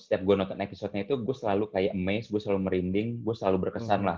setiap gue nonton episode nya itu gue selalu kayak amazed gue selalu merinding gue selalu berkesan lah